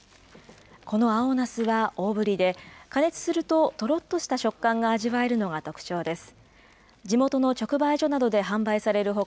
この青なすは、大ぶりで、加熱するととろっとした食感が味わえるのが特徴です。